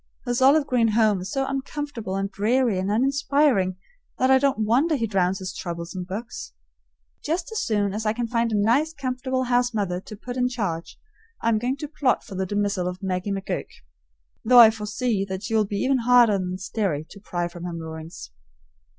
His olive green home is so uncomfortable and dreary and uninspiring that I don't wonder he drowns his troubles in books. Just as soon as I can find a nice comfortable house mother to put in charge, I am going to plot for the dismissal of Maggie McGurk, though I foresee that she will be even harder than Sterry to pry from her moorings.